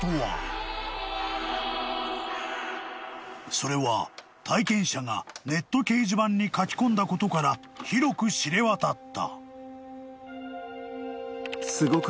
［それは体験者がネット掲示板に書き込んだことから広く知れ渡った］